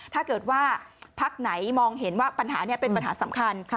ถ้าเกิดว่าพักไหนมองเห็นว่าปัญหานี้เป็นปัญหาสำคัญ